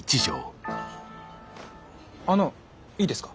あのいいですか？